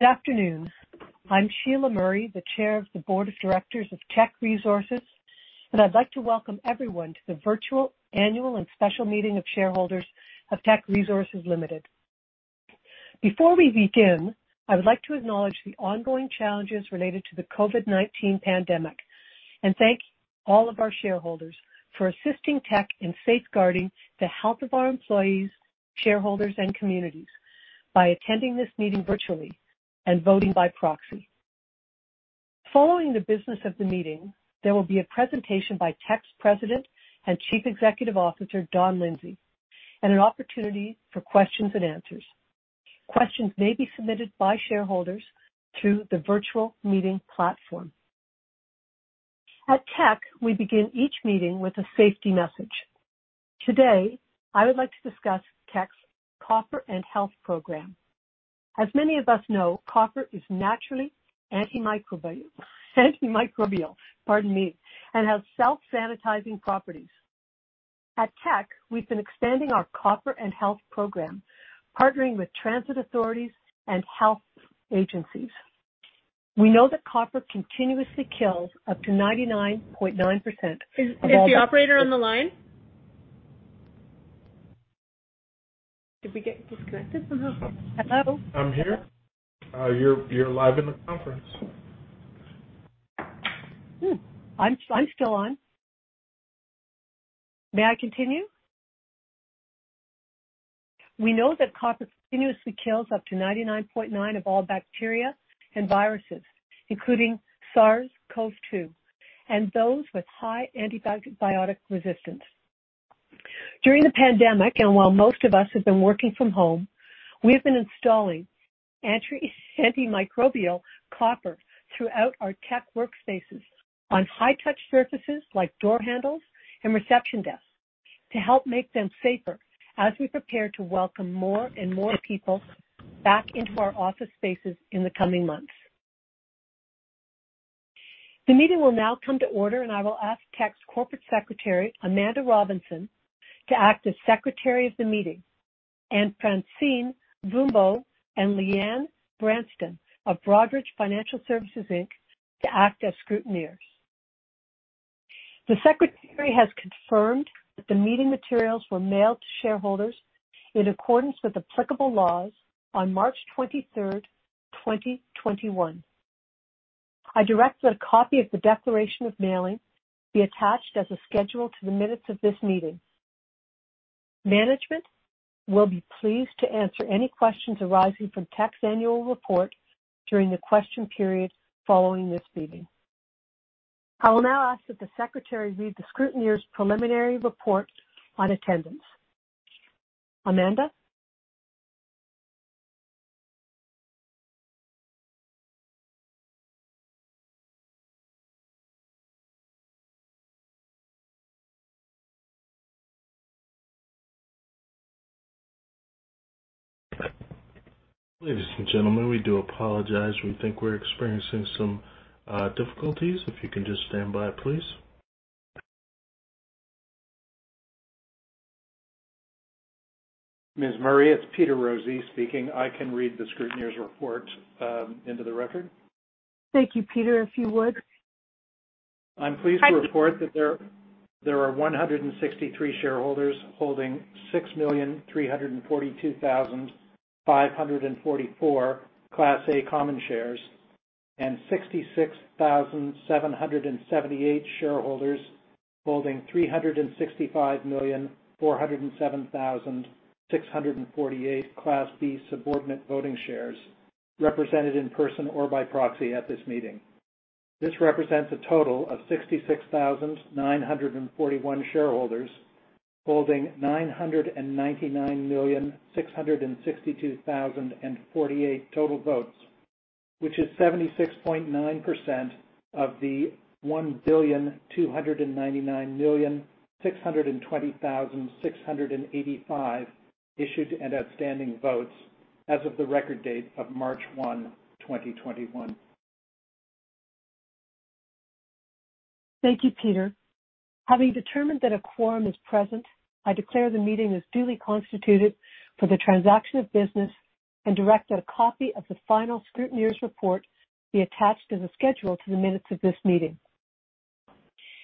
Good afternoon. I'm Sheila Murray, the Chair of the Board of Directors of Teck Resources, and I'd like to welcome everyone to the virtual Annual and Special Meeting of Shareholders of Teck Resources Limited. Before we begin, I would like to acknowledge the ongoing challenges related to the COVID-19 pandemic and thank all of our shareholders for assisting Teck in safeguarding the health of our employees, shareholders, and communities by attending this meeting virtually and voting by proxy. Following the business of the meeting, there will be a presentation by Teck's President and Chief Executive Officer, Don Lindsay, and an opportunity for questions and answers. Questions may be submitted by shareholders through the virtual meeting platform. At Teck, we begin each meeting with a safety message. Today, I would like to discuss Teck's Copper and Health Program. As many of us know, copper is naturally antimicrobial and has self-sanitizing properties. At Teck, we've been expanding our Copper and Health Program, partnering with transit authorities and health agencies. We know that copper continuously kills up to 99.9% of all— Is the operator on the line? Did we get disconnected somehow? Hello? I'm here. You're live at the conference. I'm still on. May I continue? We know that copper continuously kills up to 99.9 of all bacteria and viruses, including SARS-CoV-2 and those with high antibiotic resistance. During the pandemic, and while most of us have been working from home, we've been installing antimicrobial copper throughout our Teck workspaces on high-touch surfaces like door handles and reception desks to help make them safer as we prepare to welcome more and more people back into our office spaces in the coming months. The meeting will now come to order. I will ask Teck's Corporate Secretary, Amanda Robinson, to act as secretary of the meeting. Francine Mumba and Leanne Branston of Broadridge Financial Solutions, Inc. will act as scrutineers. The secretary has confirmed that the meeting materials were mailed to shareholders in accordance with applicable laws on March 23rd, 2021. I direct that a copy of the declaration of mailing be attached as a schedule to the minutes of this meeting. Management will be pleased to answer any questions arising from Teck's annual report during the question period following this meeting. I will now ask that the secretary read the scrutineer's preliminary report on attendance. Amanda? Ladies and gentlemen, we do apologize. We think we're experiencing some difficulties. If you can just stand by, please. Ms. Murray, it's Peter Rozee speaking. I can read the scrutineer's report into the record. Thank you, Peter. If you would. I'm pleased to report that there are 163 shareholders holding 6,342,544 Class A common shares and 66,778 shareholders holding 365,407,648 Class B subordinate voting shares represented in person or by proxy at this meeting. This represents a total of 66,941 shareholders holding 999,662,048 total votes, which is 76.9% of the 1,299,620,685 issued and outstanding votes as of the record date of March 1, 2021. Thank you, Peter. Having determined that a quorum is present, I declare the meeting is duly constituted for the transaction of business and direct that a copy of the final scrutineer's report be attached as a schedule to the minutes of this meeting.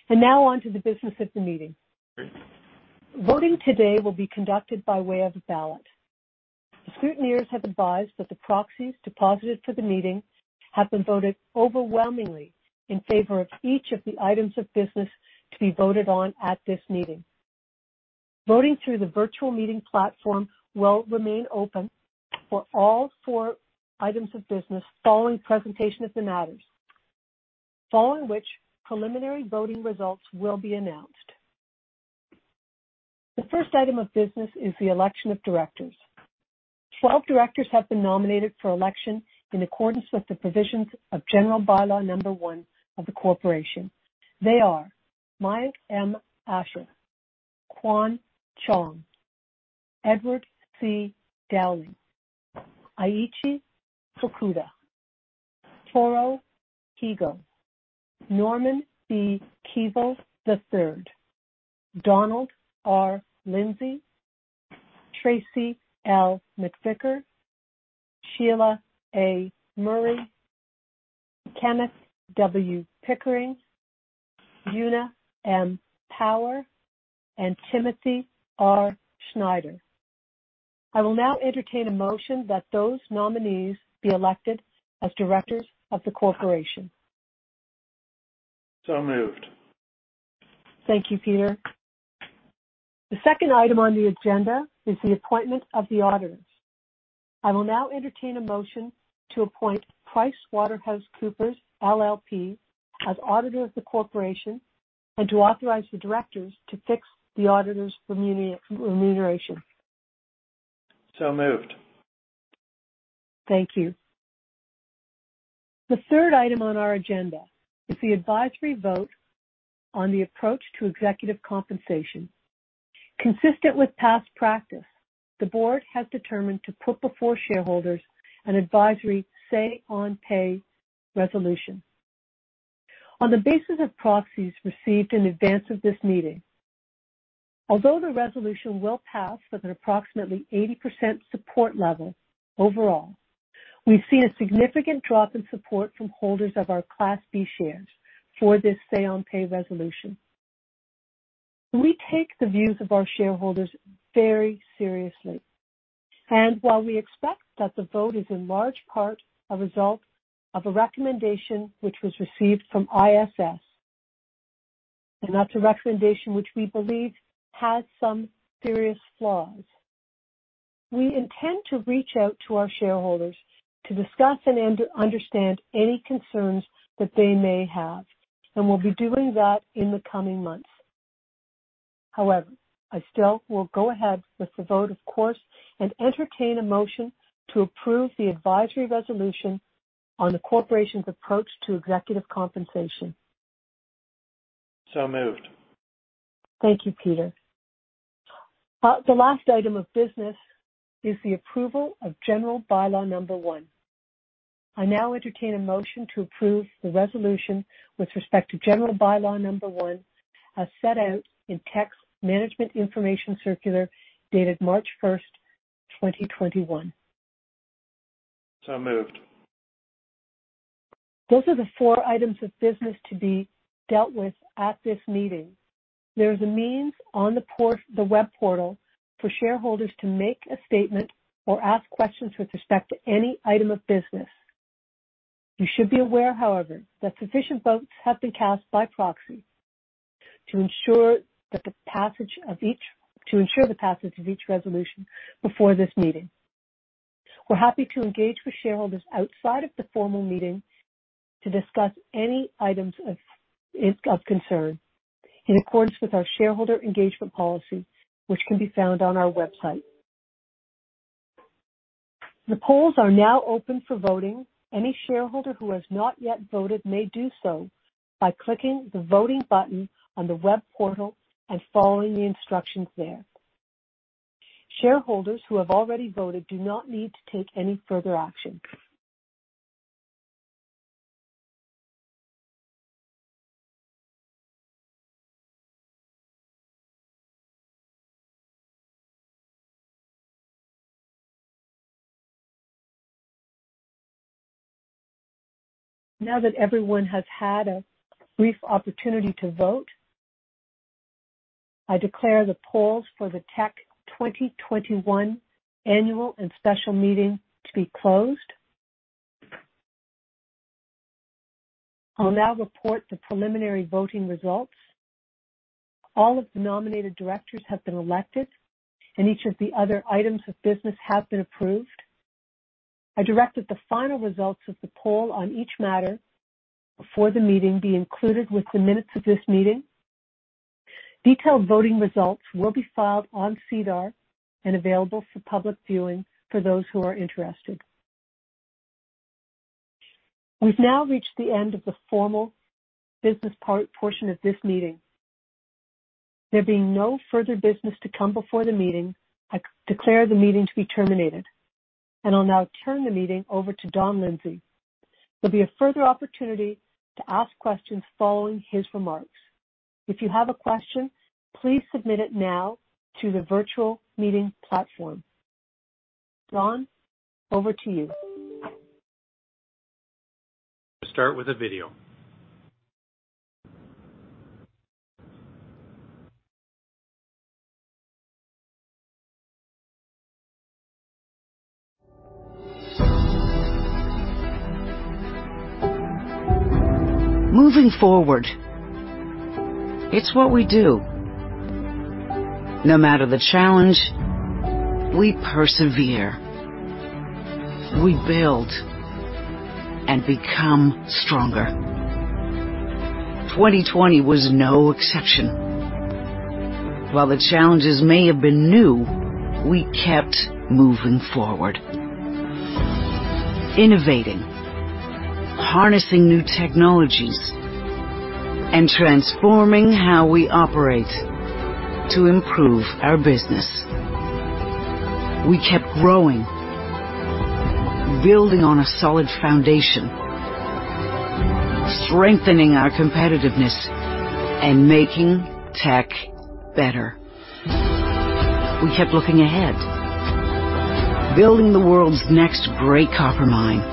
Now on to the business of the meeting. Voting today will be conducted by way of ballot. The scrutineers have advised that the proxies deposited for the meeting have been voted overwhelmingly in favor of each of the items of business to be voted on at this meeting. Voting through the virtual meeting platform will remain open for all four items of business following the presentation of the matters, following which preliminary voting results will be announced. The first item of business is the election of directors. 12 directors have been nominated for election in accordance with the provisions of General By-law Number one of the Corporation. They are Mayank M. Ashar, Quan Chong, Edward C. Dowling, Eiichi Fukuda, Toru Higo, Norman B. Keevil III, Donald R. Lindsay, Tracey L. McVicar, Sheila A. Murray, Kenneth W. Pickering, Una M. Power, and Timothy R. Snider. I will now entertain a motion that those nominees be elected as directors of the corporation. Moved. Thank you, Peter. The second item on the agenda is the appointment of the auditors. I will now entertain a motion to appoint PricewaterhouseCoopers LLP as auditor of the corporation and to authorize the directors to fix the auditors' remuneration. Moved. Thank you. The third item on our agenda is the advisory vote on the approach to executive compensation. Consistent with past practice, the board has determined to put before shareholders an advisory say-on-pay resolution. On the basis of proxies received in advance of this meeting, although the resolution will pass with an approximately 80% support level overall, we see a significant drop in support from holders of our Class B shares for this say-on-pay resolution. We take the views of our shareholders very seriously, and while we expect that the vote is in large part a result of a recommendation that was received from ISS, and that's a recommendation that we believe has some serious flaws, we intend to reach out to our shareholders to discuss and understand any concerns that they may have, and we'll be doing that in the coming months. I still will go ahead with the vote, of course, and entertain a motion to approve the advisory resolution on the corporation's approach to executive compensation. Moved. Thank you, Peter. The last item of business is the approval of General By-law Number one. I now entertain a motion to approve the resolution with respect to General By-law Number one, as set out in Teck's Management Information Circular, dated March 1st, 2021. Moved. Those are the four items of business to be dealt with at this meeting. There is a means on the web portal for shareholders to make a statement or ask questions with respect to any item of business. You should be aware, however, that sufficient votes have been cast by proxy to ensure the passage of each resolution before this meeting. We are happy to engage with shareholders outside of the formal meeting to discuss any items of concern in accordance with our shareholder engagement policy, which can be found on our website. The polls are now open for voting. Any shareholder who has not yet voted may do so by clicking the voting button on the web portal and following the instructions there. Shareholders who have already voted do not need to take any further action. Now that everyone has had a brief opportunity to vote, I declare the polls for the Teck 2021 Annual and Special Meeting to be closed. I'll now report the preliminary voting results. All of the nominated directors have been elected, and each of the other items of business has been approved. I direct that the final results of the poll on each matter before the meeting be included with the minutes of this meeting. Detailed voting results will be filed on SEDAR+ and available for public viewing for those who are interested. We've now reached the end of the formal business portion of this meeting. There being no further business to come before the meeting, I declare the meeting to be terminated, and I'll now turn the meeting over to Don Lindsay. There'll be a further opportunity to ask questions following his remarks. If you have a question, please submit it now to the virtual meeting platform. Don, over to you. Start with a video. Moving forward. It's what we do. No matter the challenge, we persevere, we build, and we become stronger. 2020 was no exception. While the challenges may have been new, we kept moving forward, innovating, harnessing new technologies, and transforming how we operate to improve our business. We kept growing, building on a solid foundation, strengthening our competitiveness, and making Teck better. We kept looking ahead, building the world's next great copper mine,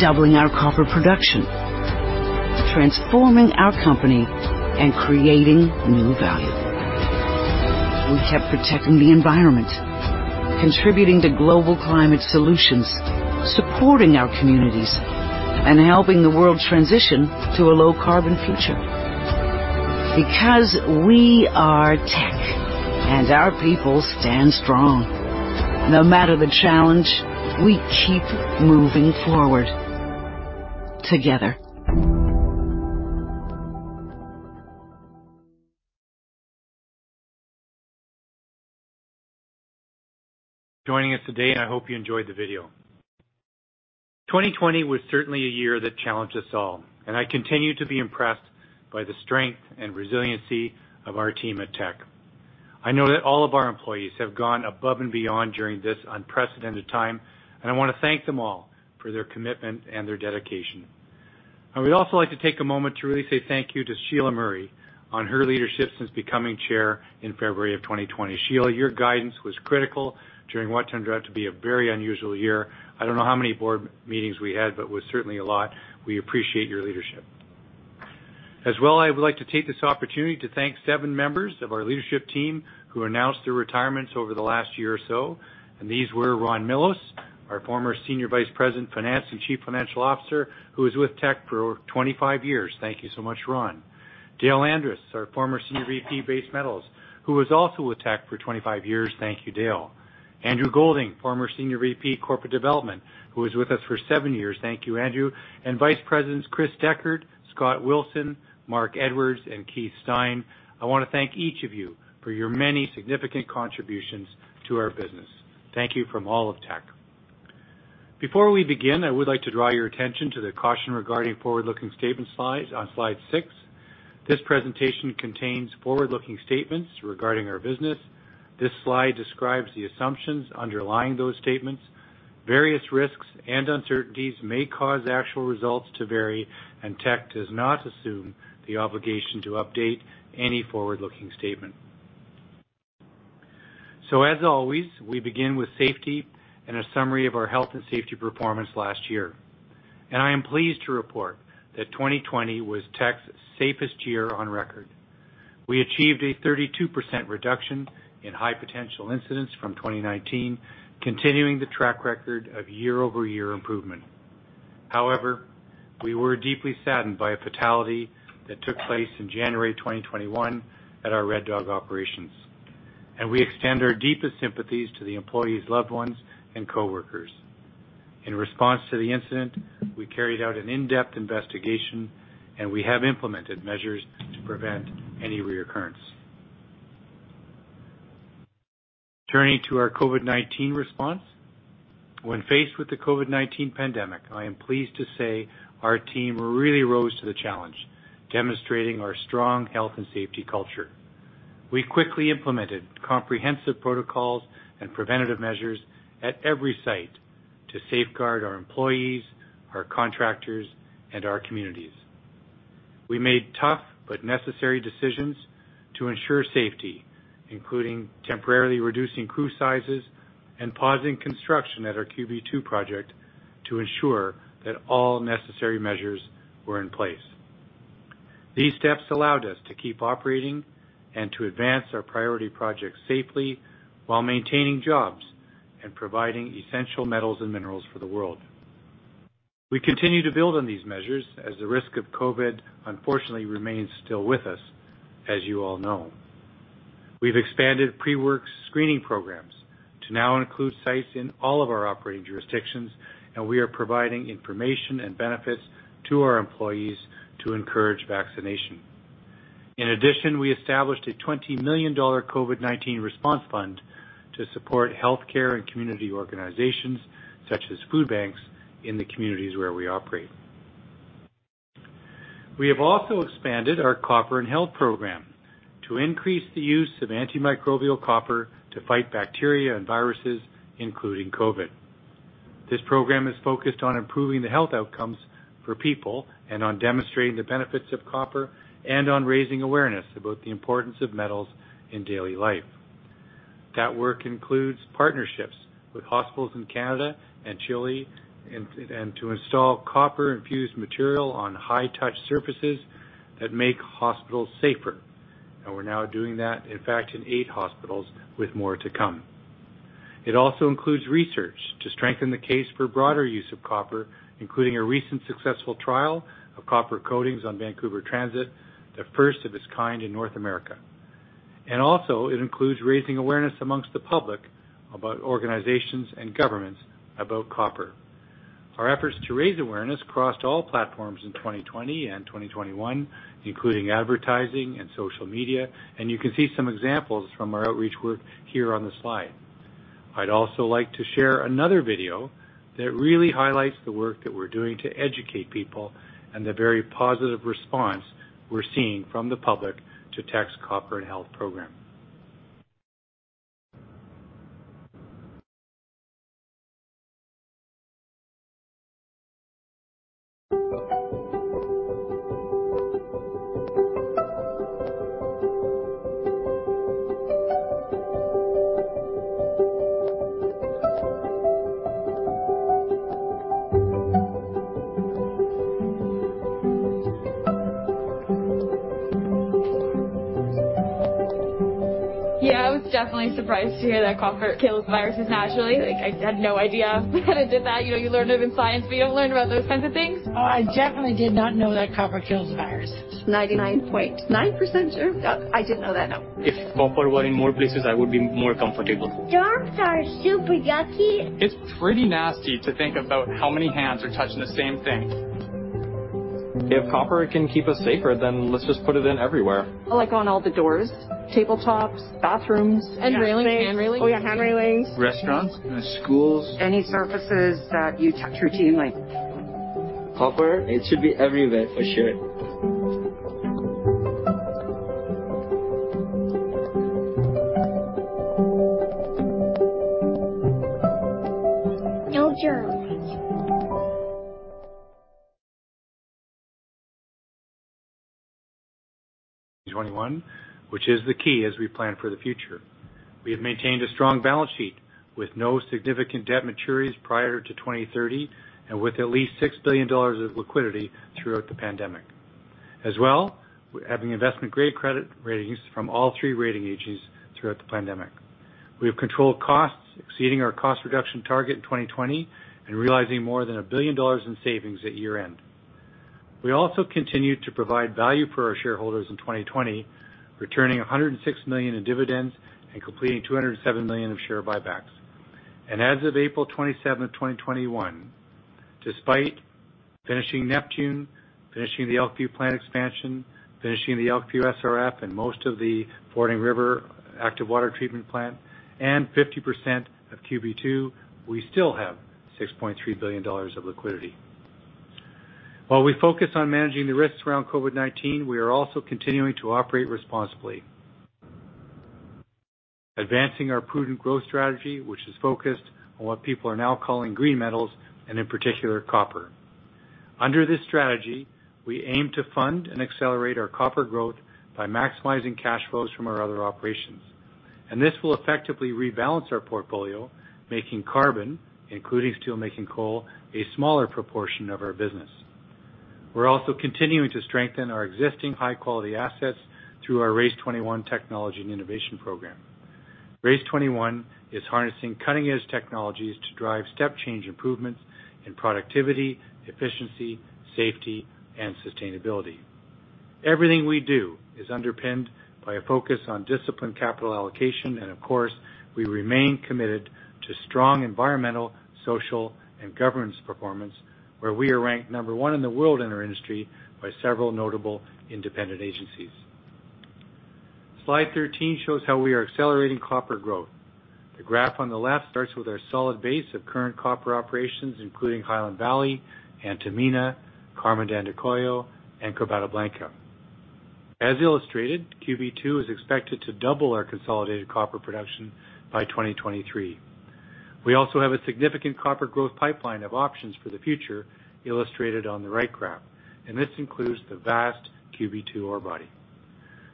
doubling our copper production, transforming our company, and creating new value. We kept protecting the environment, contributing to global climate solutions, supporting our communities, and helping the world transition to a low-carbon future. Because we are Teck, and our people stand strong. No matter the challenge, we keep moving forward together. Thank you for joining us today, and I hope you enjoyed the video. 2020 was certainly a year that challenged us all, and I continue to be impressed by the strength and resiliency of our team at Teck. I know that all of our employees have gone above and beyond during this unprecedented time, and I want to thank them all for their commitment and their dedication. I would also like to take a moment to really say thank you to Sheila Murray for her leadership since becoming chair in February of 2020. Sheila, your guidance was critical during what turned out to be a very unusual year. I don't know how many board meetings we had, but it was certainly a lot. We appreciate your leadership. I would like to take this opportunity to thank seven members of our leadership team who announced their retirements over the last year or so. These were Ron Millos, our former Senior Vice President, Finance and Chief Financial Officer, who was with Teck for over 25 years. Thank you so much, Ron. Dale Andres, our former Senior VP, Base Metals, who was also with Teck for 25 years. Thank you, Dale. Andrew Golding, former Senior VP, Corporate Development, was with us for seven years. Thank you, Andrew. Vice Presidents Chris Dechert, Scott Wilson, Mark Edwards, and Keith Stein. I want to thank each of you for your many significant contributions to our business. Thank you from all of Teck. Before we begin, I would like to draw your attention to the caution regarding forward-looking statements slide on slide six. This presentation contains forward-looking statements regarding our business. This slide describes the assumptions underlying those statements. Various risks and uncertainties may cause actual results to vary, and Teck does not assume the obligation to update any forward-looking statement. As always, we begin with safety and a summary of our health and safety performance last year, and I am pleased to report that 2020 was Teck's safest year on record. We achieved a 32% reduction in high potential incidents from 2019, continuing the track record of year-over-year improvement. However, we were deeply saddened by a fatality that took place in January 2021 at our Red Dog Operations, and we extend our deepest sympathies to the employee's loved ones and coworkers. In response to the incident, we carried out an in-depth investigation, and we have implemented measures to prevent any reoccurrence. Turning to our COVID-19 response. When faced with the COVID-19 pandemic, I am pleased to say our team really rose to the challenge, demonstrating our strong health and safety culture. We quickly implemented comprehensive protocols and preventative measures at every site to safeguard our employees, our contractors, and our communities. We made tough but necessary decisions to ensure safety, including temporarily reducing crew sizes and pausing construction at our QB2 project to ensure that all necessary measures were in place. These steps allowed us to keep operating and to advance our priority projects safely while maintaining jobs and providing essential metals and minerals for the world. We continue to build on these measures as the risk of COVID, unfortunately, still remains with us, as you all know. We've expanded pre-work screening programs to now include sites in all of our operating jurisdictions, and we are providing information and benefits to our employees to encourage vaccination. We established a 20 million dollar COVID-19 response fund to support healthcare and community organizations, such as food banks, in the communities where we operate. We have also expanded our Copper and Health Program to increase the use of antimicrobial copper to fight bacteria and viruses, including COVID-19. This program is focused on improving the health outcomes for people and on demonstrating the benefits of copper and on raising awareness about the importance of metals in daily life. That work includes partnerships with hospitals in Canada and Chile to install copper-infused material on high-touch surfaces that make hospitals safer. We're now doing that, in fact, in eight hospitals, with more to come. It also includes research to strengthen the case for broader use of copper, including a recent successful trial of copper coatings on Vancouver transit, the first of its kind in North America. Also, it includes raising awareness amongst the public and organizations and governments about copper. Our efforts to raise awareness crossed all platforms in 2020 and 2021, including advertising and social media, and you can see some examples from our outreach work here on the slide. I'd also like to share another video that really highlights the work that we're doing to educate people and the very positive response we're seeing from the public to Teck's Copper and Health Program. Yeah, I was definitely surprised to hear that copper kills viruses naturally. I had no idea that it did that. You learn it in science, but you don't learn about those kinds of things. Oh, I definitely did not know that copper kills a virus. 99.9% sure? I didn't know that, no. If copper were in more places, I would be more comfortable. Germs are super yucky. It's pretty nasty to think about how many hands are touching the same thing. If copper can keep us safer, then let's just put it in everywhere. On all the doors, tabletops, and bathrooms. Oh, yeah, hand railings. Restaurants. Schools. Any surfaces that you touch routinely. Copper, it should be everywhere, for sure. No germs. 2021, which is the key as we plan for the future. We have maintained a strong balance sheet with no significant debt maturities prior to 2030 and with at least CAD 6 billion of liquidity throughout the pandemic. Also, having investment-grade credit ratings from all three rating agencies throughout the pandemic. We have controlled costs, exceeding our cost reduction target in 2020 and realizing more than 1 billion dollars in savings at year-end. We also continued to provide value for our shareholders in 2020, returning 106 million in dividends and completing 207 million of share buybacks. As of April 27, 2021, despite finishing Neptune, finishing the Elkview plant expansion, finishing the Elkview SRF, and most of the Fording River active water treatment plant and 50% of QB2, we still have 6.3 billion dollars of liquidity. While we focus on managing the risks around COVID-19, we are also continuing to operate responsibly, advancing our prudent growth strategy, which is focused on what people are now calling green metals, and in particular, copper. Under this strategy, we aim to fund and accelerate our copper growth by maximizing cash flows from our other operations. This will effectively rebalance our portfolio, making carbon, including steelmaking coal, a smaller proportion of our business. We're also continuing to strengthen our existing high-quality assets through our RACE21 technology and innovation program. RACE21 is harnessing cutting-edge technologies to drive step-change improvements in productivity, efficiency, safety, and sustainability. Everything we do is underpinned by a focus on disciplined capital allocation, and of course, we remain committed to strong environmental, social, and governance performance, where we are ranked number one in the world in our industry by several notable independent agencies. Slide 13 shows how we are accelerating copper growth. The graph on the left starts with our solid base of current copper operations, including Highland Valley, Antamina, Carmen de Andacollo, and Quebrada Blanca. As illustrated, QB2 is expected to double our consolidated copper production by 2023. We also have a significant copper growth pipeline of options for the future illustrated on the right graph, and this includes the vast QB2 ore body.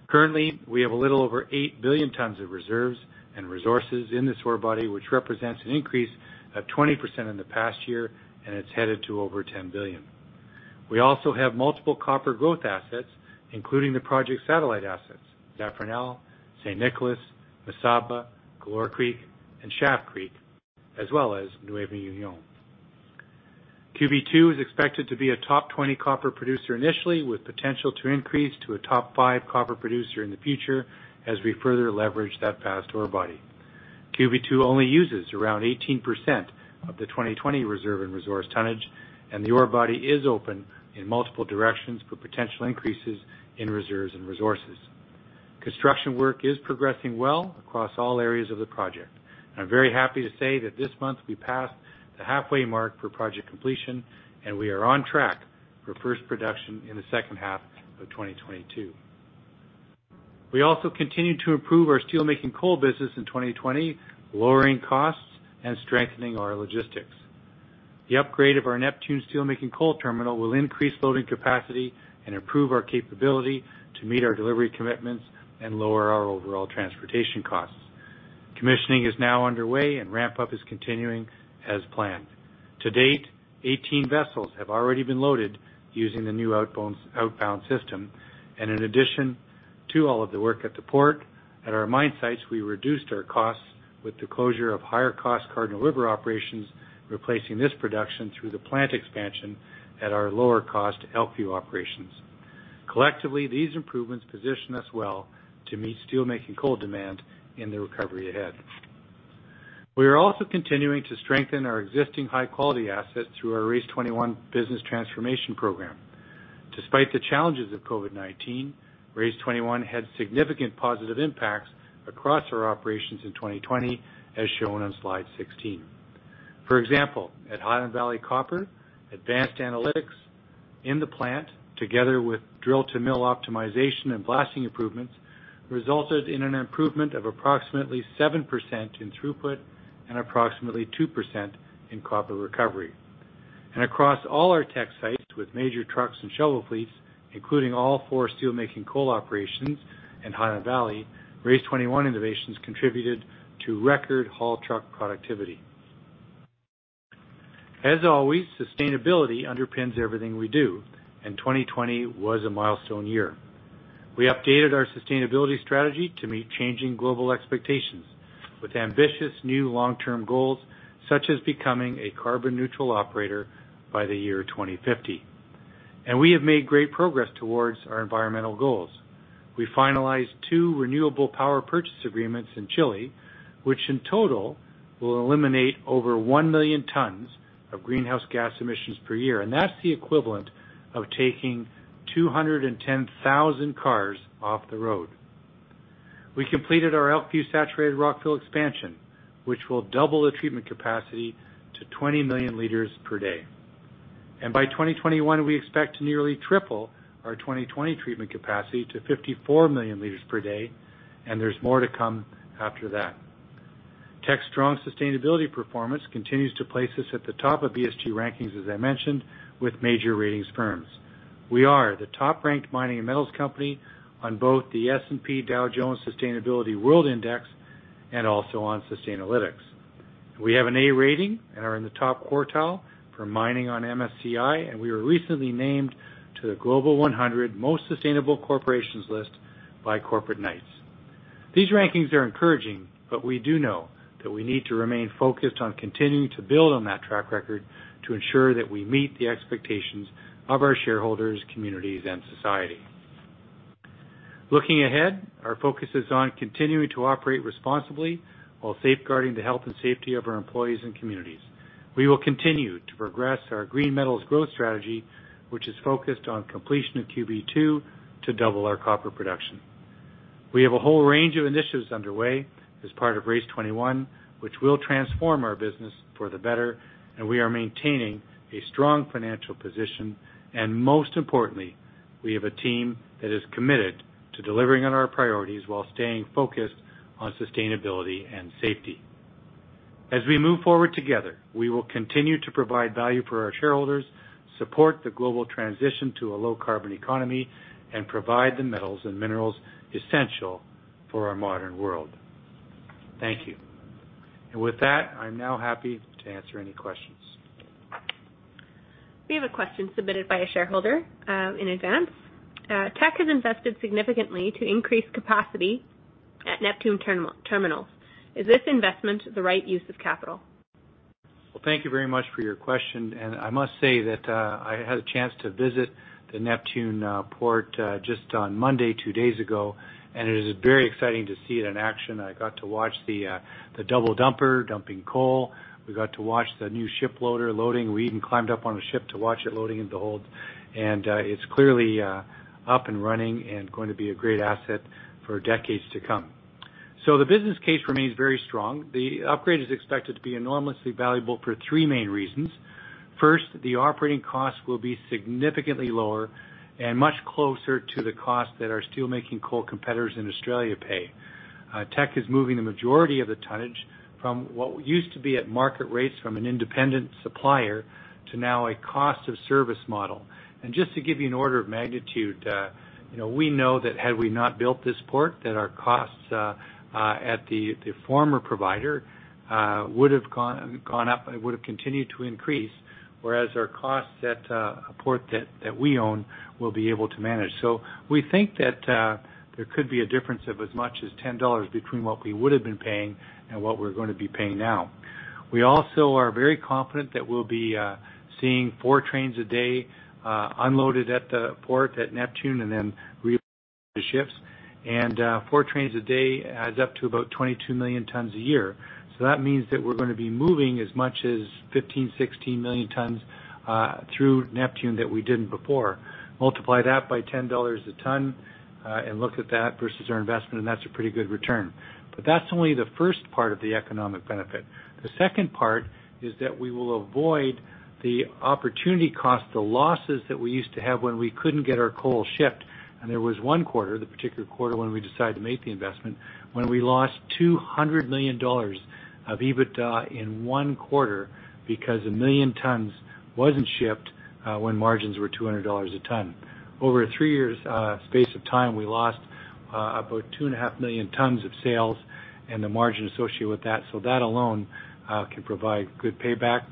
Currently, we have a little over 8 billion tons of reserves and resources in this ore body, which represents an increase of 20% in the past year, and it's headed to over 10 billion. We also have multiple copper growth assets, including the Project Satellite assets, Zafranal, San Nicolás, Mesaba, Galore Creek, and Schaft Creek, as well as Nueva Unión. QB2 is expected to be a top 20 copper producer initially, with the potential to increase to a top five copper producer in the future as we further leverage that past ore body. QB2 only uses around 18% of the 2020 reserve and resource tonnage, and the ore body is open in multiple directions for potential increases in reserves and resources. Construction work is progressing well across all areas of the project. I'm very happy to say that this month we passed the halfway mark for project completion, and we are on track for first production in the second half of 2022. We also continued to improve our steelmaking coal business in 2020, lowering costs and strengthening our logistics. The upgrade of our Neptune steelmaking coal terminal will increase loading capacity and improve our capability to meet our delivery commitments and lower our overall transportation costs. Commissioning is now underway, and ramp-up is continuing as planned. To date, 18 vessels have already been loaded using the new outbound system. In addition to all of the work at the port, at our mine sites, we reduced our costs with the closure of higher-cost Cardinal River operations, replacing this production through the plant expansion at our lower-cost Elkview operations. Collectively, these improvements position us well to meet steelmaking coal demand in the recovery ahead. We are also continuing to strengthen our existing high-quality assets through our RACE21 business transformation program. Despite the challenges of COVID-19, RACE21 had significant positive impacts across our operations in 2020, as shown on slide 16. For example, at Highland Valley Copper, advanced analytics in the plant, together with drill-to-mill optimization and blasting improvements, resulted in an improvement of approximately 7% in throughput and approximately 2% in copper recovery. Across all our Teck sites with major trucks and shovel fleets, including all four steelmaking coal operations and Highland Valley, RACE21 innovations contributed to record haul-truck productivity. As always, sustainability underpins everything we do, and 2020 was a milestone year. We updated our sustainability strategy to meet changing global expectations with ambitious new long-term goals, such as becoming a carbon neutral operator by the year 2050. We have made great progress towards our environmental goals. We finalized two renewable power purchase agreements in Chile, which in total will eliminate over 1 million tons of greenhouse gas emissions per year. That's the equivalent of taking 210,000 cars off the road. We completed our Elkview saturated rock fill expansion, which will double the treatment capacity to 20 million liters per day. By 2021, we expect to nearly triple our 2020 treatment capacity to 54 million liters per day, and there's more to come after that. Teck's strong sustainability performance continues to place us at the top of ESG rankings, as I mentioned, with major ratings firms. We are the top-ranked mining and metals company on both the S&P Dow Jones Sustainability World Index and also on Sustainalytics. We have an A rating and are in the top quartile for mining on MSCI, and we were recently named to the Global 100 Most Sustainable Corporations list by Corporate Knights. These rankings are encouraging. We do know that we need to remain focused on continuing to build on that track record to ensure that we meet the expectations of our shareholders, communities, and society. Looking ahead, our focus is on continuing to operate responsibly while safeguarding the health and safety of our employees and communities. We will continue to progress our green metals growth strategy, which is focused on completion of QB2 to double our copper production. We have a whole range of initiatives underway as part of RACE21, which will transform our business for the better. We are maintaining a strong financial position. Most importantly, we have a team that is committed to delivering on our priorities while staying focused on sustainability and safety. As we move forward together, we will continue to provide value for our shareholders, support the global transition to a low-carbon economy, and provide the metals and minerals essential for our modern world. Thank you. With that, I'm now happy to answer any questions. We have a question submitted by a shareholder in advance. Teck has invested significantly to increase capacity at Neptune Terminal. Is this investment the right use of capital? Well, thank you very much for your question. I must say that I had a chance to visit the Neptune port just on Monday, two days ago, it is very exciting to see it in action. I got to watch the double-dumper dumping coal. We got to watch the new ship loader loading. We even climbed up on a ship to watch it loading into the hold. It's clearly up and running and going to be a great asset for decades to come. The business case remains very strong. The upgrade is expected to be enormously valuable for three main reasons. First, the operating costs will be significantly lower and much closer to the cost that our steelmaking coal competitors in Australia pay. Teck is moving the majority of the tonnage from what used to be at market rates from an independent supplier to now a cost-of-service model. Just to give you an order of magnitude, we know that had we not built this port, that our costs at the former provider would have gone up and would have continued to increase, whereas our costs at a port that we own will be able to manage. We think that there could be a difference of as much as 10 dollars between what we would have been paying and what we're going to be paying now. We also are very confident that we'll be seeing four trains a day unloaded at the port at Neptune and then reload the ships. Four trains a day adds up to about 22 million tons a year. That means that we're going to be moving as much as 15, 16 million tons through Neptune that we didn't before. Multiply that by 10 dollars a ton and look at that versus our investment, and that's a pretty good return. That's only the first part of the economic benefit. The second part is that we will avoid the opportunity cost, the losses that we used to have when we couldn't get our coal shipped, and there was one quarter, the particular quarter when we decided to make the investment, when we lost 200 million dollars of EBITDA in one quarter because 1 million tons weren't shipped when margins were 200 dollars a ton. Over a three-year space of time, we lost about two and a half million tons of sales and the margin associated with that. That alone can provide good payback.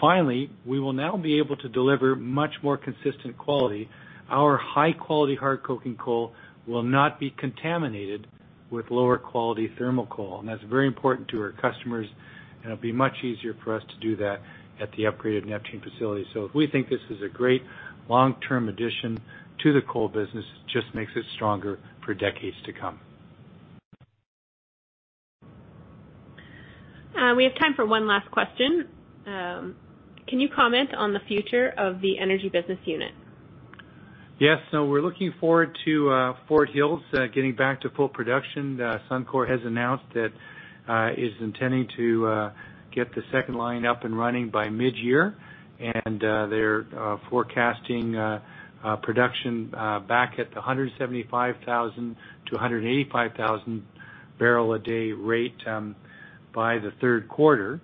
Finally, we will now be able to deliver much more consistent quality. Our high-quality hard coking coal will not be contaminated with lower-quality thermal coal. That's very important to our customers. It'll be much easier for us to do that at the upgraded Neptune facility. We think this is a great long-term addition to the coal business. It just makes it stronger for decades to come. We have time for one last question. Can you comment on the future of the energy business unit? Yes. We're looking forward to Fort Hills getting back to full production. Suncor has announced that it's intending to get the second line up and running by mid-year, and they're forecasting production back at the 175,000-185,000 barrel-a-day rate by the third quarter.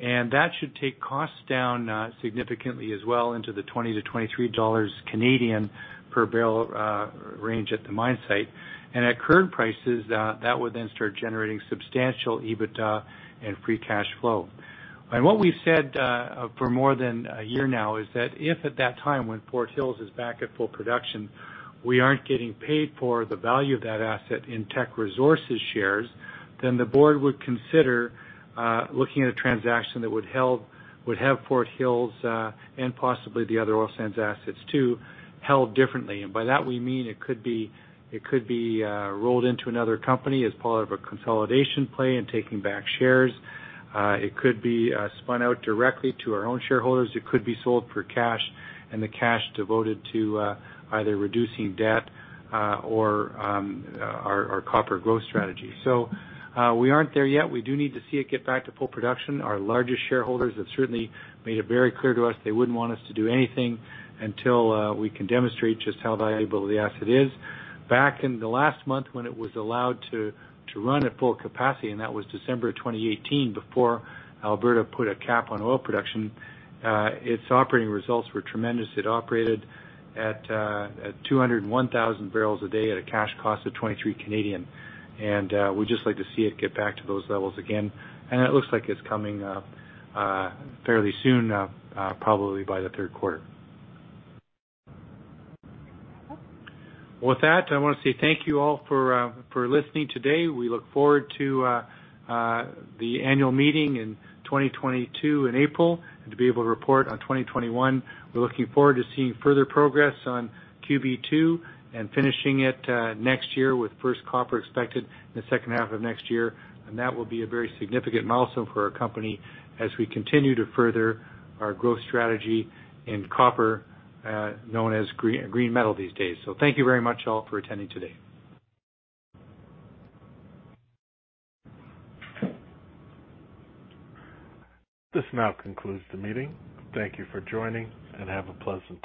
That should take costs down significantly as well into the 20-23 dollars per barrel range at the mine site. At current prices, that would then start generating substantial EBITDA and free cash flow. What we've said for more than a year now is that if at that time, when Fort Hills is back at full production, we aren't getting paid for the value of that asset in Teck Resources shares, then the board would consider looking at a transaction that would have Fort Hills, and possibly the other oil sands assets too, held differently. By that we mean it could be rolled into another company as part of a consolidation play and take back shares. It could be spun out directly to our own shareholders. It could be sold for cash, and the cash devoted to either reducing debt or our copper growth strategy. We aren't there yet. We do need to see it get back to full production. Our largest shareholders have certainly made it very clear to us they wouldn't want us to do anything until we can demonstrate just how valuable the asset is. Back in the last month when it was allowed to run at full capacity, and that was December 2018, before Alberta put a cap on oil production, its operating results were tremendous. It operated at 201,000 barrels a day at a cash cost of 23, we'd just like to see it get back to those levels again. It looks like it's coming fairly soon, probably by the third quarter. With that, I want to say thank you all for listening today. We look forward to the annual meeting in 2022 in April and to being able to report on 2021. We're looking forward to seeing further progress on QB2 and finishing it next year, with the first copper expected in the second half of next year. That will be a very significant milestone for our company as we continue to further our growth strategy in copper, known as green metal these days. Thank you very much, all, for attending today. This now concludes the meeting. Thank you for joining, and have a pleasant day.